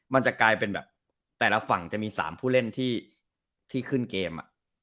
มันจะกลายเป็นแบบแต่ละฝั่งจะมี๓ผู้เล่นที่ขึ้นเกม